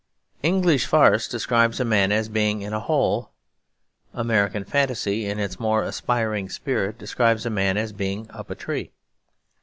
English farce describes a man as being in a hole. American fantasy, in its more aspiring spirit, describes a man as being up a tree.